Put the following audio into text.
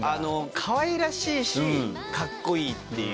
かわいらしいし、かっこいいっていう。